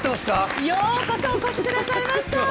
ようこそお越しくださいました。